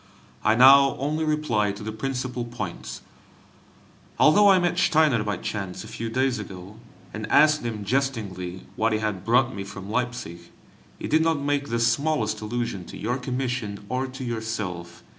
I now only reply to the principal points. Although I met Steiner by chance a few days ago, and asked him jestingly what he had brought me from Leipzig, he did not make the smallest allusion to your commission or to yourself.